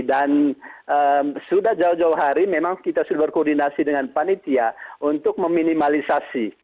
dan sudah jauh jauh hari memang kita sudah berkoordinasi dengan panitia untuk meminimalisasi